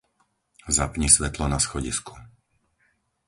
Zapni svetlo na schodisku.